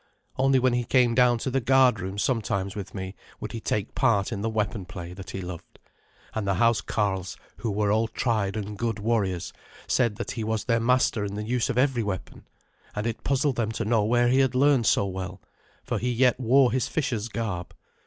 Only when he came down to the guardroom sometimes with me would he take part in the weapon play that he loved, and the housecarls, who were all tried and good warriors, said that he was their master in the use of every weapon, and it puzzled them to know where he had learned so well, for he yet wore his fisher's garb.